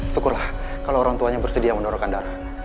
syukurlah kalau orang tuanya bersedia mendorongkan darah